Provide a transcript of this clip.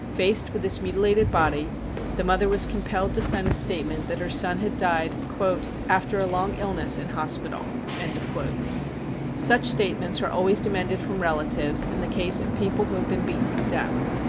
Faced with this mutilated body, the mother was compelled to sign a statement that her son had died " after a long illness in hospital." &uch statements ar> always demanded from relatives in the case of people who have been beaten to death.